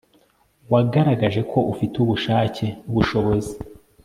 wagaragaje ko ufite ubushake n'ubushobozi